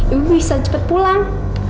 ibu bisa cepet pulang